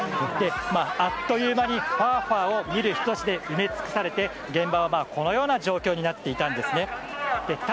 あっという間にファーファーを見る人たちで埋め尽くされて現場はこのような状況になっていました。